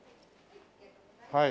はい。